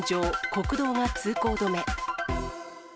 国道が通行止め。